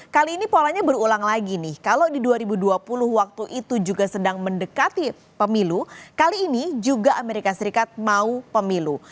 kali ini polanya berulang lagi nih kalau di dua ribu dua puluh waktu itu juga sedang mendekati pemilu kali ini juga amerika serikat mau pemilu